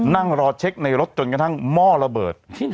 นั่งรอเช็คในรถจนกระทั่งหม้อระเบิด